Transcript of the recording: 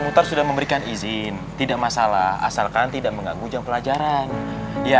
mutar sudah memberikan izin tidak masalah asalkan tidak mengganggu jam pelajaran ya